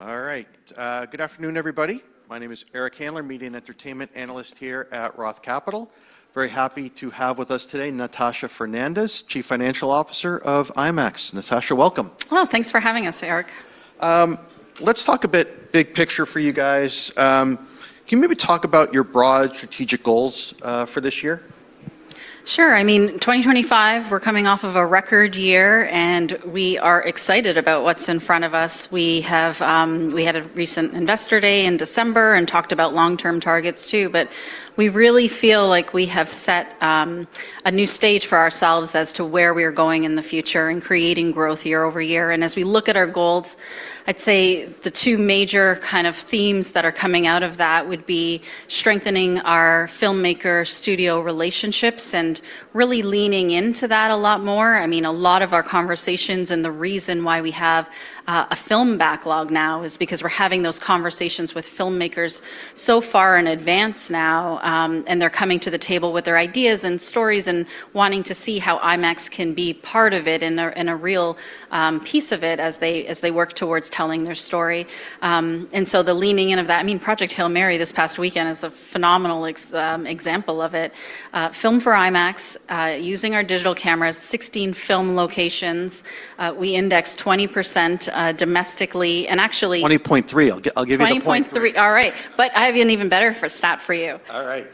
All right. Good afternoon, everybody. My name is Eric Handler, Media and Entertainment Analyst here at Roth Capital. Very happy to have with us today Natasha Fernandes, Chief Financial Officer of IMAX. Natasha, welcome. Well, thanks for having us, Eric. Let's talk a bit big picture for you guys. Can you maybe talk about your broad strategic goals for this year? Sure. I mean, 2025, we're coming off of a record year, and we are excited about what's in front of us. We had a recent Investor Day in December and talked about long-term targets too. We really feel like we have set a new stage for ourselves as to where we're going in the future and creating growth year-over-year. As we look at our goals, I'd say the two major kind of themes that are coming out of that would be strengthening our filmmaker-studio relationships and really leaning into that a lot more. I mean, a lot of our conversations and the reason why we have a film backlog now is because we're having those conversations with filmmakers so far in advance now. And they're coming to the table with their ideas and stories and wanting to see how IMAX can be part of it and a real piece of it as they work towards telling their story. The leaning in of that. I mean, Project Hail Mary this past weekend is a phenomenal example of it. Filmed for IMAX, using our digital cameras, 16 film locations. We indexed 20%, domestically, and actually- 20.3. I'll give you the 0.3. 20.3. All right. I have an even better stat for you. All right.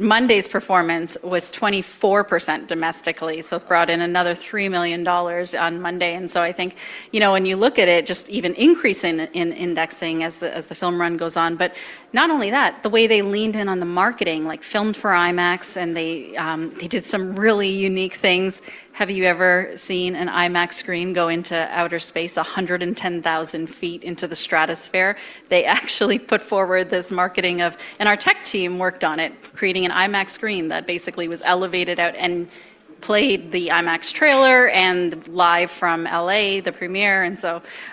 Monday's performance was 24% domestically, so it brought in another $3 million on Monday. I think when you look at it, just even increasing in indexing as the film run goes on. Not only that, the way they leaned in on the marketing, like Filmed for IMAX and they did some really unique things. Have you ever seen an IMAX screen go into outer space 110,000 feet into the stratosphere? They actually put forward this marketing. Our tech team worked on it, creating an IMAX screen that basically was elevated out and played the IMAX trailer and live from L.A., the premiere.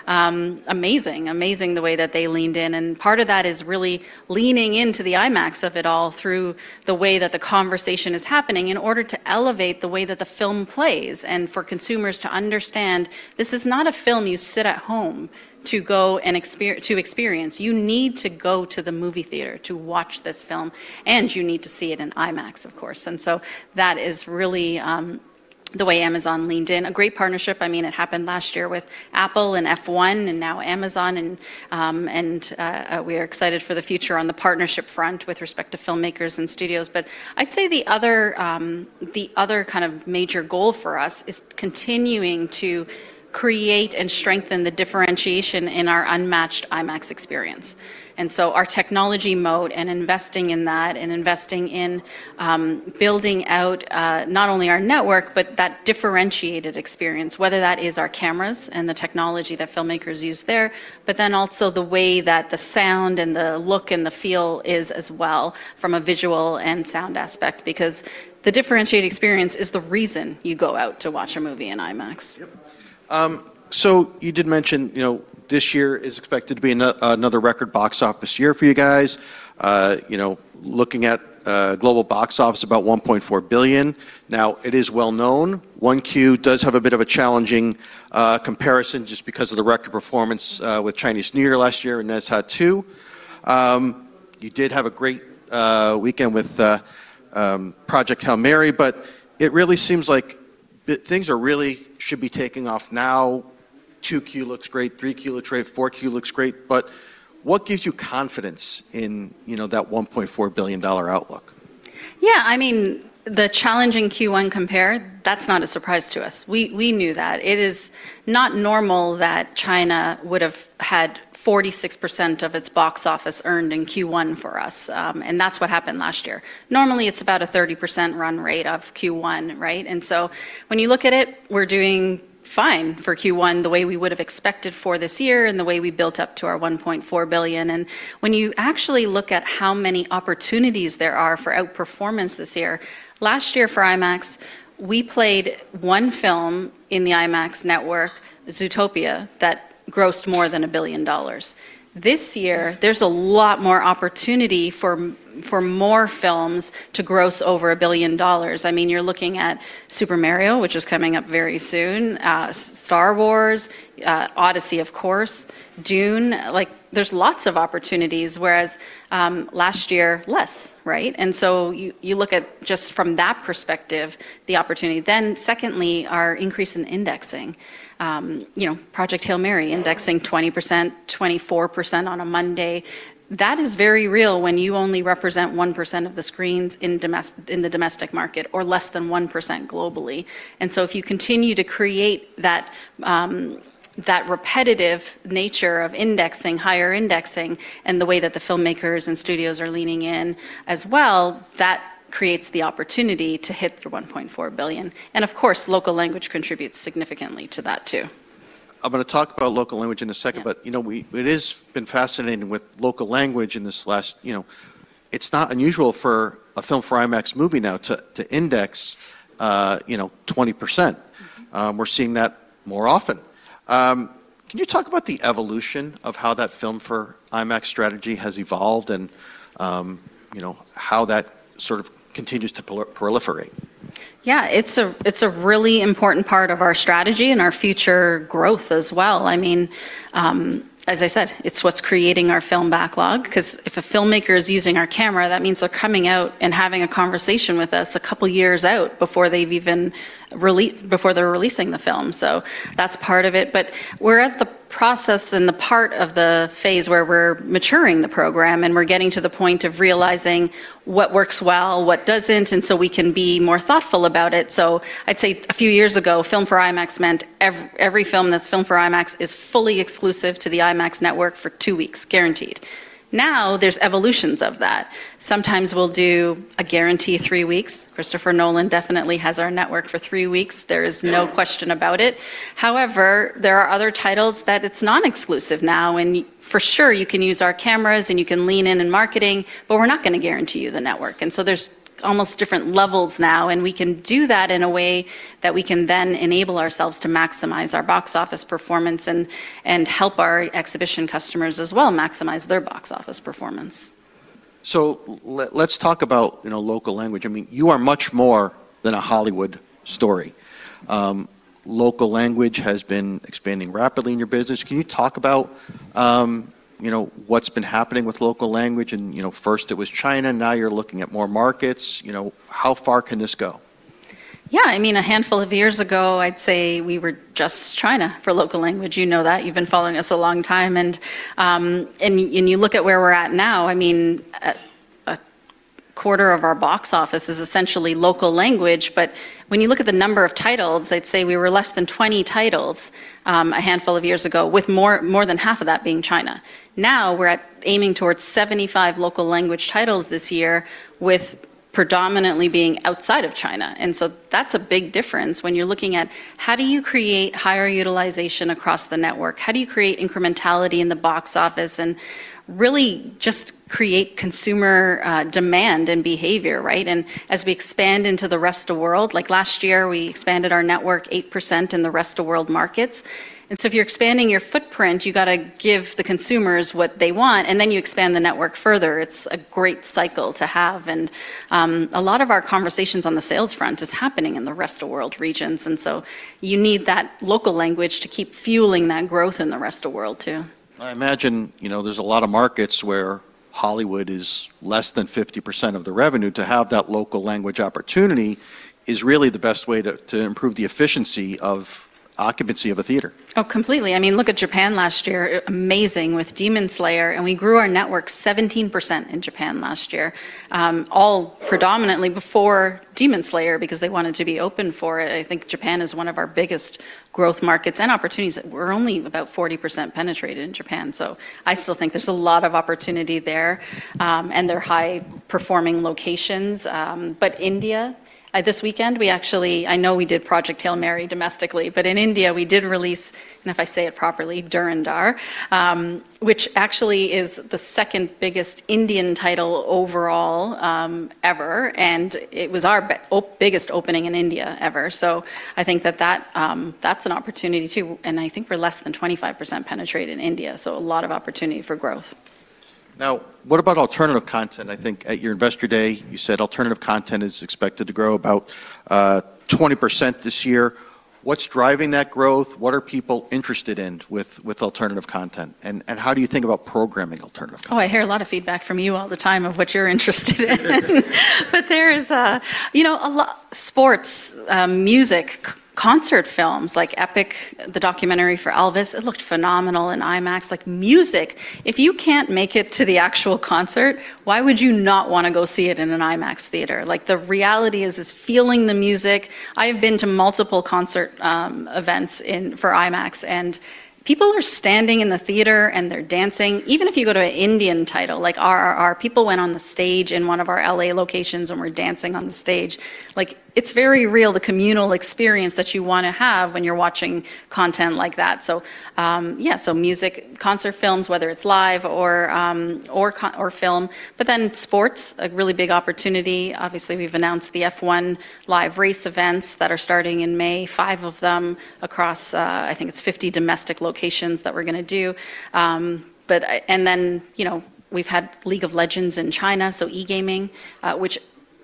Amazing. Amazing the way that they leaned in. Part of that is really leaning into the IMAX of it all through the way that the conversation is happening in order to elevate the way that the film plays and for consumers to understand this is not a film you sit at home to experience. You need to go to the movie theater to watch this film, and you need to see it in IMAX, of course. That is really the way Amazon leaned in. A great partnership. I mean, it happened last year with Apple and F1, and now Amazon and we are excited for the future on the partnership front with respect to filmmakers and studios. But I'd say the other kind of major goal for us is continuing to create and strengthen the differentiation in our unmatched IMAX experience. Our technology model and investing in that and investing in, building out, not only our network but that differentiated experience, whether that is our cameras and the technology that filmmakers use there, but then also the way that the sound and the look and the feel is as well from a visual and sound aspect. Because the differentiated experience is the reason you go out to watch a movie in IMAX. Yep. You did mention this year is expected to be another record box office year for you guys. You know, looking at global box office, about $1.4 billion. Now, it is well known. 1Q does have a bit of a challenging comparison just because of the record performance with Chinese New Year last year and Ne Zha 2. You did have a great weekend with Project Hail Mary, but it really seems like things really should be taking off now. 2Q looks great. 3Q looks great. 4Q looks great. What gives you confidence in, you know, that $1.4 billion outlook? Yeah. I mean, the challenging Q1 compare, that's not a surprise to us. We knew that. It is not normal that China would have had 46% of its box office earned in Q1 for us. That's what happened last year. Normally, it's about a 30% run rate of Q1, right? When you look at it, we're doing fine for Q1 the way we would have expected for this year and the way we built up to our $1.4 billion. When you actually look at how many opportunities there are for outperformance this year. Last year for IMAX, we played one film in the IMAX network, Zootopia, that grossed more than $1 billion. This year, there's a lot more opportunity for more films to gross over $1 billion. You're looking at Super Mario, which is coming up very soon. Star Wars, Odyssey, of course. Dune. Like, there's lots of opportunities, whereas, last year, less, right? You look at just from that perspective the opportunity. Secondly, our increase in indexing. Project Hail Mary indexing 20%, 24% on a Monday. That is very real when you only represent 1% of the screens in the domestic market or less than 1% globally. If you continue to create that repetitive nature of indexing, higher indexing and the way that the filmmakers and studios are leaning in as well, that creates the opportunity to hit the $1.4 billion. Of course, local language contributes significantly to that too. I'm gonna talk about local language in a second. Yeah. You know, it's been fascinating with local language in this last, you know. It's not unusual for a film for IMAX movie now to index, you know, 20%. We're seeing that more often. Can you talk about the evolution of how that Filmed For IMAX strategy has evolved and how that sort of continues to proliferate? Yeah, it's a really important part of our strategy and our future growth as well. I mean, as I said, it's what's creating our film backlog 'cause if a filmmaker is using our camera, that means they're coming out and having a conversation with us a couple years out before they're releasing the film. That's part of it. We're at the process and the part of the phase where we're maturing the program, and we're getting to the point of realizing what works well, what doesn't, and so we can be more thoughtful about it. I'd say a few years ago, Filmed for IMAX meant every film that's Filmed for IMAX is fully exclusive to the IMAX network for two weeks, guaranteed. Now, there's evolutions of that. Sometimes we'll do a guarantee three weeks. Christopher Nolan definitely has our network for three weeks. There is no question about it. However, there are other titles that it's non-exclusive now, and for sure, you can use our cameras, and you can lean in on marketing, but we're not gonna guarantee you the network. There's almost different levels now, and we can do that in a way that we can then enable ourselves to maximize our box office performance and help our exhibition customers as well maximize their box office performance. Let's talk about, you know, local language. I mean, you are much more than a Hollywood story. Local language has been expanding rapidly in your business. Can you talk about, you know, what's been happening with local language and first it was China, now you're looking at more markets. How far can this go? Yeah, I mean, a handful of years ago, I'd say we were just China for local language. You know that. You've been following us a long time. You look at where we're at now. I mean, a quarter of our box office is essentially local language, but when you look at the number of titles, I'd say we were less than 20 titles a handful of years ago, with more than half of that being China. Now, we're aiming towards 75 local language titles this year with predominantly being outside of China. That's a big difference when you're looking at how do you create higher utilization across the network? How do you create incrementality in the box office and really just create consumer demand and behavior, right? As we expand into the rest of world, like last year, we expanded our network 8% in the rest of world markets. If you're expanding your footprint, you gotta give the consumers what they want, and then you expand the network further. It's a great cycle to have. A lot of our conversations on the sales front is happening in the rest of world regions. You need that local language to keep fueling that growth in the rest of world too. I imagine, you know, there's a lot of markets where Hollywood is less than 50% of the revenue. To have that local language opportunity is really the best way to improve the efficiency of occupancy of a theater. Oh, completely. I mean, look at Japan last year. Amazing with Demon Slayer, and we grew our network 17% in Japan last year. All predominantly before Demon Slayer because they wanted to be open for it. I think Japan is one of our biggest growth markets and opportunities. We're only about 40% penetrated in Japan, so I still think there's a lot of opportunity there, and they're high-performing locations. India, at this weekend, we actually, I know we did Project Hail Mary domestically, but in India, we did release, and if I say it properly, Dhurandhar, which actually is the second biggest Indian title overall, ever, and it was our biggest opening in India ever. I think that that's an opportunity too, and I think we're less than 25% penetration in India, so a lot of opportunity for growth. Now, what about alternative content? I think at your Investor Day, you said alternative content is expected to grow about 20% this year. What's driving that growth? What are people interested in with alternative content? How do you think about programming alternative? Oh, I hear a lot of feedback from you all the time of what you're interested in. There is a lot of sports, music, concert films like EPiC, the documentary for Elvis. It looked phenomenal in IMAX. Like music, if you can't make it to the actual concert, why would you not wanna go see it in an IMAX theater? Like, the reality is feeling the music. I have been to multiple concert events for IMAX, and people are standing in the theater, and they're dancing. Even if you go to an Indian title, like RRR, people went on the stage in one of our L.A. locations and were dancing on the stage. Like, it's very real, the communal experience that you wanna have when you're watching content like that. Music, concert films, whether it's live or film. Sports, a really big opportunity. Obviously, we've announced the F1 live race events that are starting in May. Five of them across, I think it's 50 domestic locations that we're gonna do. You know, we've had League of Legends in China, so e-gaming, which,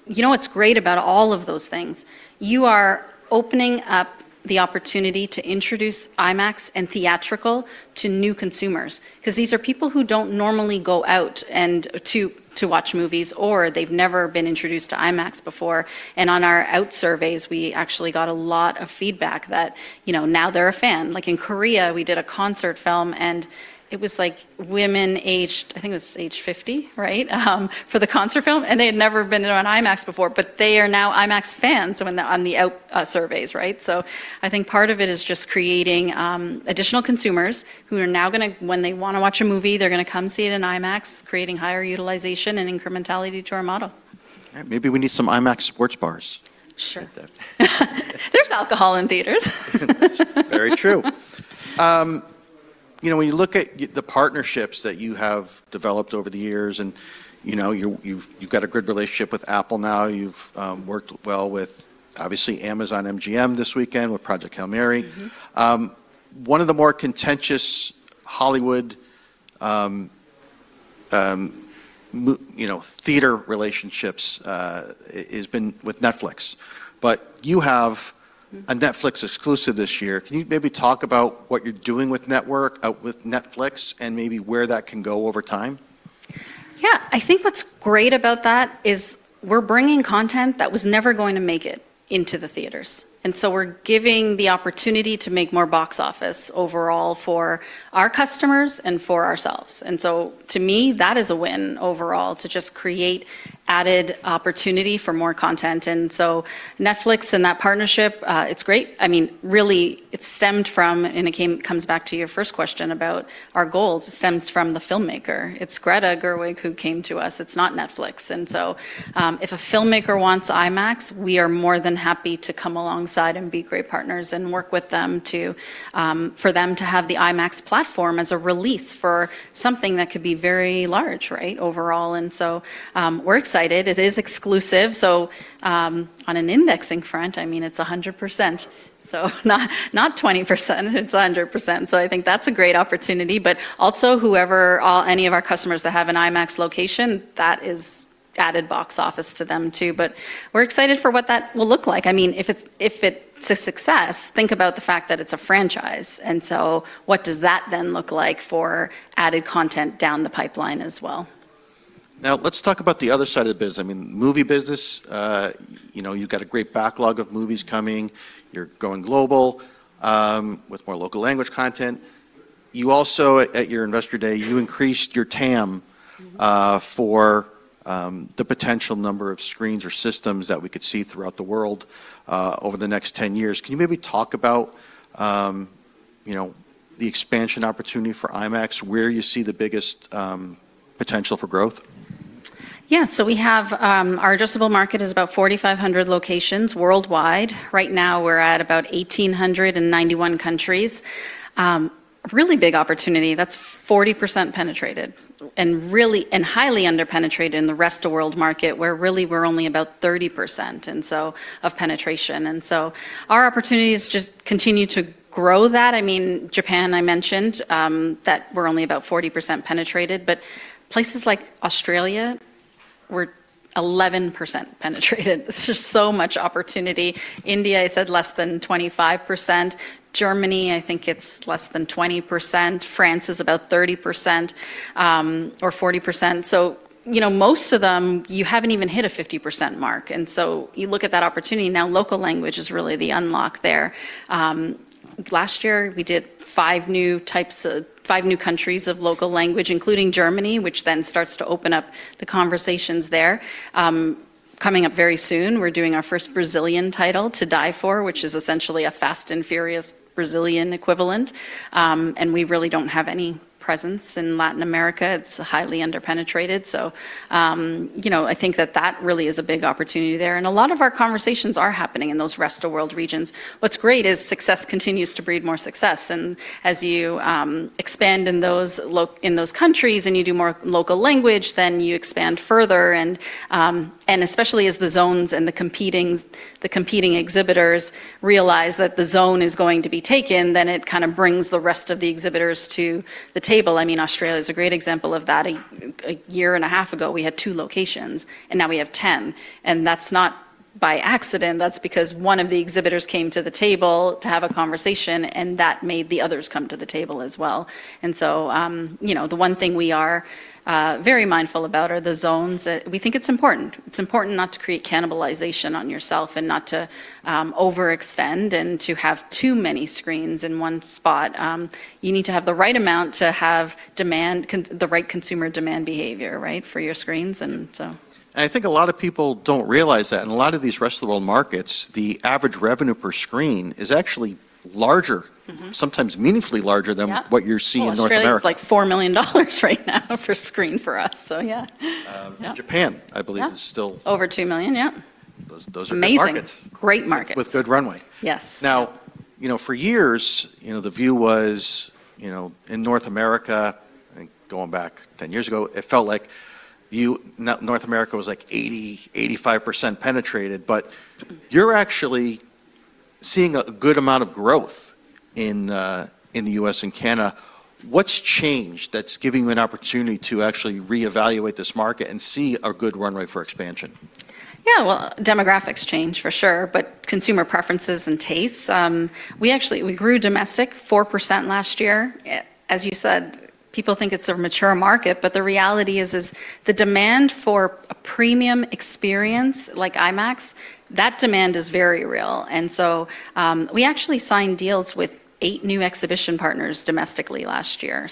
you know what's great about all of those things? You are opening up the opportunity to introduce IMAX and theatrical to new consumers. 'Cause these are people who don't normally go out and to watch movies, or they've never been introduced to IMAX before. On our exit surveys, we actually got a lot of feedback that, you know, now they're a fan. Like in Korea, we did a concert film, and it was, like, women aged, I think it was age 50, right? For the concert film, and they had never been in an IMAX before, but they are now IMAX fans on the exit surveys, right? I think part of it is just creating additional consumers who are now gonna, when they wanna watch a movie, they're gonna come see it in IMAX, creating higher utilization and incrementality to our model. All right. Maybe we need some IMAX sports bars. Sure. Get that. There's alcohol in theaters. Very true. When you look at the partnerships that you have developed over the years and, you know, you've got a good relationship with Apple now. You've worked well with obviously Amazon MGM this weekend with Project Hail Mary. One of the more contentious Hollywood, you know, theater relationships. It's been with Netflix. You have a Netflix exclusive this year. Can you maybe talk about what you're doing with Netflix, and maybe where that can go over time? Yeah. I think what's great about that is we're bringing content that was never going to make it into the theaters. We're giving the opportunity to make more box office overall for our customers and for ourselves. To me, that is a win overall to just create added opportunity for more content. Netflix and that partnership, it's great. I mean, really it stemmed from, comes back to your first question about our goals. It stems from the filmmaker. It's Greta Gerwig who came to us. It's not Netflix. We're excited. It is exclusive. On an indexing front, I mean, it's 100%. Not 20%. It's 100%. I think that's a great opportunity. Also whoever or any of our customers that have an IMAX location, that is added box office to them too. We're excited for what that will look like. I mean, if it's a success, think about the fact that it's a franchise, and so what does that then look like for added content down the pipeline as well? Now let's talk about the other side of the business. I mean, movie business, you know, you've got a great backlog of movies coming. You're going global, with more local language content. You also at your Investor Day, you increased your TAM, for the potential number of screens or systems that we could see throughout the world, over the next 10 years. Can you maybe talk about, you know, the expansion opportunity for IMAX, where you see the biggest potential for growth? We have our addressable market is about 4,500 locations worldwide. Right now we're at about 1,800 in 91 countries. Really big opportunity. That's 40% penetrated and really and highly under-penetrated in the rest of world market, where really we're only about 30% of penetration. Our opportunity is just continue to grow that. I mean, Japan, I mentioned, that we're only about 40% penetrated. But places like Australia, we're 11% penetrated. It's just so much opportunity. India, I said less than 25%. Germany, I think it's less than 20%. France is about 30% or 40%. You know, most of them, you haven't even hit a 50% mark. You look at that opportunity. Now, local language is really the unlock there. Last year we did five new countries of local language, including Germany, which then starts to open up the conversations there. Coming up very soon, we're doing our first Brazilian title, 2DIE4, which is essentially a Fast & Furious Brazilian equivalent. We really don't have any presence in Latin America. It's highly under-penetrated. You know, I think that really is a big opportunity there. A lot of our conversations are happening in those rest-of-world regions. What's great is success continues to breed more success. As you expand in those countries, and you do more local language, then you expand further and especially as the zones and the competing exhibitors realize that the zone is going to be taken, then it kind of brings the rest of the exhibitors to the table. I mean, Australia's a great example of that. A year and a half ago we had two locations, and now we have 10. That's not by accident. That's because one of the exhibitors came to the table to have a conversation, and that made the others come to the table as well. You know, the one thing we are very mindful about are the zones. We think it's important. It's important not to create cannibalization on yourself and not to overextend and to have too many screens in one spot. You need to have the right amount to have the right consumer demand behavior, right, for your screens. I think a lot of people don't realize that. In a lot of these rest of the world markets, the average revenue per screen is actually larger. Mm-hmm .....sometimes meaningfully larger than Yep What you're seeing in North America. Well, Australia's like $4 million right now per screen for us. Yeah. Japan, I believe. Yeah... is still- Over two million. Yeah. Those are good markets. Amazing. Great markets. With good runway. Yes. Yeah. Now, you know, for years, you know, the view was, you know, in North America, I think going back 10 years ago, it felt like North America was like 80%-85% penetrated. You're actually seeing a good amount of growth in the U.S. and Canada. What's changed that's giving you an opportunity to actually reevaluate this market and see a good runway for expansion? Yeah. Well, demographics change for sure, but consumer preferences and tastes. We actually grew domestic 4% last year. As you said, people think it's a mature market, but the reality is the demand for a premium experience like IMAX is very real. We actually signed deals with eight new exhibition partners domestically last year.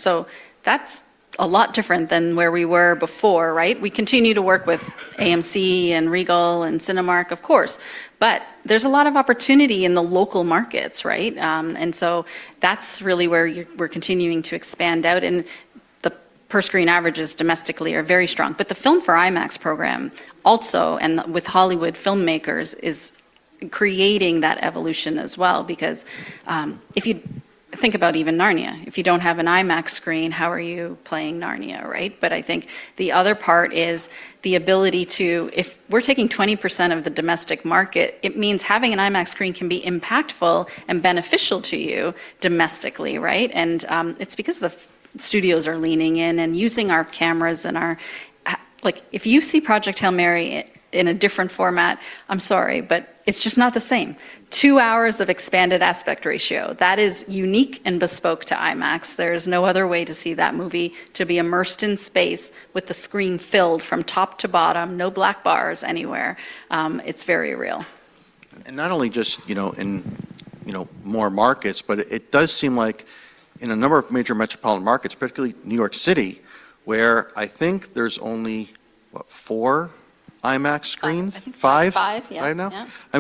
That's a lot different than where we were before, right? We continue to work with AMC and Regal and Cinemark, of course. There's a lot of opportunity in the local markets, right? That's really where we're continuing to expand out. The per screen averages domestically are very strong. The Filmed for IMAX program also, and with Hollywood filmmakers, is creating that evolution as well because if you think about even Narnia. If you don't have an IMAX screen, how are you playing Narnia, right? I think the other part is the ability to, if we're taking 20% of the domestic market, it means having an IMAX screen can be impactful and beneficial to you domestically, right? It's because the film studios are leaning in and using our cameras. Like, if you see Project Hail Mary in a different format, I'm sorry, but it's just not the same. Two hours of expanded aspect ratio. That is unique and bespoke to IMAX. There's no other way to see that movie, to be immersed in space with the screen filled from top to bottom, no black bars anywhere. It's very real. Not only just, you know, in, you know, more markets, but it does seem like in a number of major metropolitan markets, particularly New York City, where I think there's only, what, four IMAX screens? Five, I think so. Five? Five, yeah. Right now? Yeah. I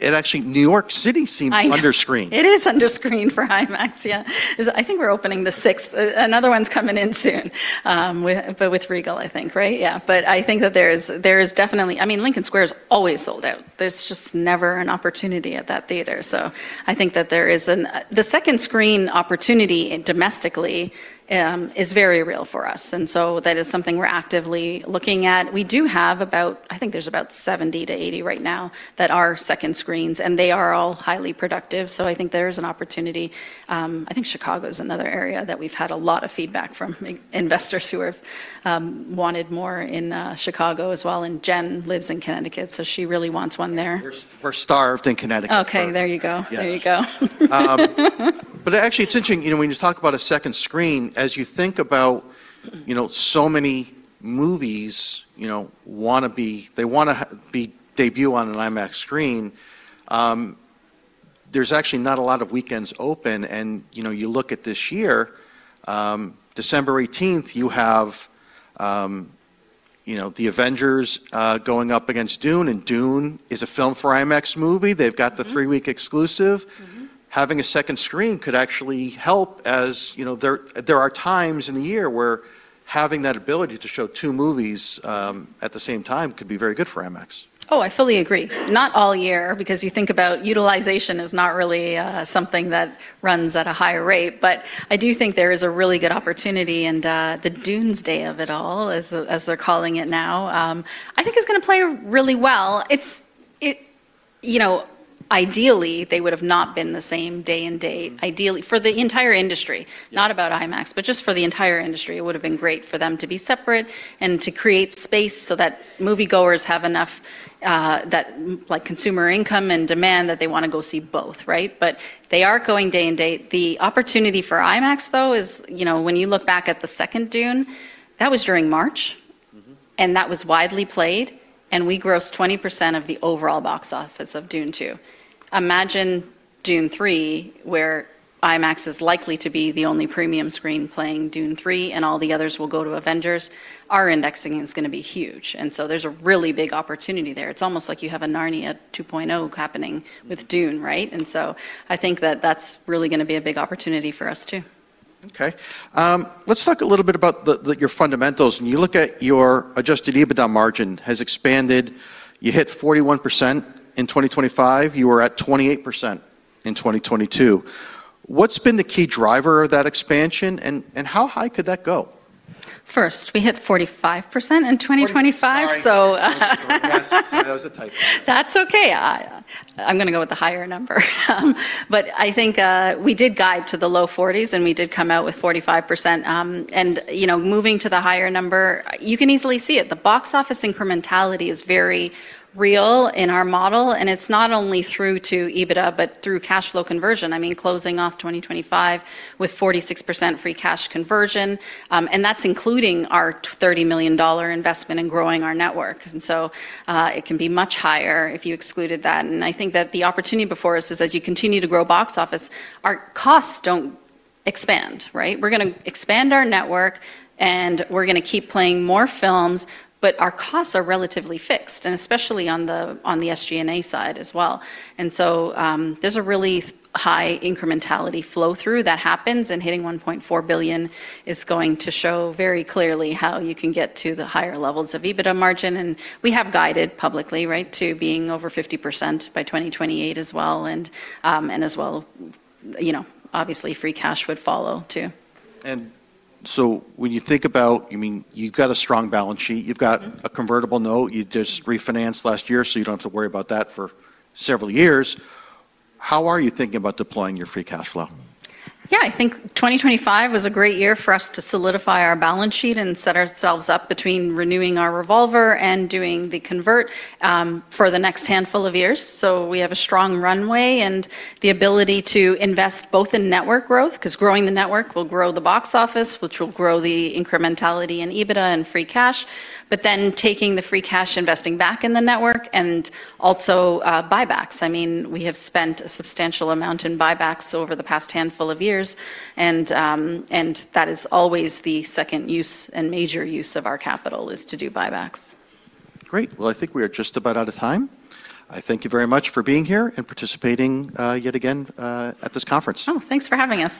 mean, it actually, New York City seems. I know. Underscreened. It is underscreen for IMAX, yeah. 'Cause I think we're opening the sixth. Another one's coming in soon, but with Regal, I think, right? Yeah. I think that there is definitely. I mean, Lincoln Square's always sold out. There's just never an opportunity at that theater, so I think that there is an opportunity. The second screen opportunity domestically is very real for us. That is something we're actively looking at. We do have about, I think there's about 70-80 right now that are second screens, and they are all highly productive, so I think there is an opportunity. I think Chicago is another area that we've had a lot of feedback from investors who have wanted more in Chicago as well, and Jen lives in Connecticut, so she really wants one there. We're starved in Connecticut for Okay, there you go. Yes. There you go. Actually, it's interesting, you know, when you talk about a second screen, as you think about. Mm You know, so many movies, you know, wanna be, they wanna be debut on an IMAX screen. There's actually not a lot of weekends open and, you know, you look at this year, December eighteenth, you have, you know, The Avengers going up against Dune, and Dune is a film for IMAX movie. They've got the three-week exclusive. Having a second screen could actually help as, you know, there are times in the year where having that ability to show two movies at the same time could be very good for IMAX. Oh, I fully agree. Not all year, because you think about utilization is not really something that runs at a higher rate. I do think there is a really good opportunity and the Dunes Day of it all, as they're calling it now, I think is gonna play really well. It, you know, ideally, they would have not been the same day and date. Ideally, for the entire industry. Yeah. Not about IMAX, but just for the entire industry, it would have been great for them to be separate and to create space so that moviegoers have enough, that, like, consumer income and demand that they wanna go see both, right? But they are going day and date. The opportunity for IMAX, though, is, you know, when you look back at the second Dune, that was during March. That was widely played, and we grossed 20% of the overall box office of Dune 2. Imagine Dune 3, where IMAX is likely to be the only premium screen playing Dune 3 and all the others will go to Avengers. Our indexing is gonna be huge, and so there's a really big opportunity there. It's almost like you have a Narnia 2.0 happening with Dune, right? I think that that's really gonna be a big opportunity for us too. Okay. Let's talk a little bit about your fundamentals, and you look at your adjusted EBITDA margin has expanded. You hit 41% in 2025. You were at 28% in 2022. What's been the key driver of that expansion and how high could that go? First, we hit 45% in 2025. 45. So Yes. That was a typo. That's okay. I'm gonna go with the higher number. I think we did guide to the low 40s%, and we did come out with 45%, you know, moving to the higher number, you can easily see it. The box office incrementality is very real in our model, and it's not only through to EBITDA, but through free cash conversion. I mean, closing off 2025 with 46% free cash conversion, and that's including our $30 million investment in growing our network. It can be much higher if you excluded that. I think that the opportunity before us is, as you continue to grow box office, our costs don't expand, right? We're gonna expand our network and we're gonna keep playing more films, but our costs are relatively fixed, and especially on the SG&A side as well. There's a really high incrementality flow-through that happens, and hitting $1.4 billion is going to show very clearly how you can get to the higher levels of EBITDA margin. We have guided publicly, right, to being over 50% by 2028 as well, and as well, you know, obviously free cash would follow too. When you think about, you mean, you've got a strong balance sheet. You've got. A convertible note. You just refinanced last year, so you don't have to worry about that for several years. How are you thinking about deploying your free cash flow? Yeah, I think 2025 was a great year for us to solidify our balance sheet and set ourselves up between renewing our revolver and doing the convert for the next handful of years. We have a strong runway and the ability to invest both in network growth. Because growing the network will grow the box office, which will grow the incrementality in EBITDA and free cash, but then taking the free cash, investing back in the network, and also buybacks. I mean, we have spent a substantial amount in buybacks over the past handful of years and that is always the second use and major use of our capital is to do buybacks. Great. Well, I think we are just about out of time. I thank you very much for being here and participating, yet again, at this conference. Oh, thanks for having us.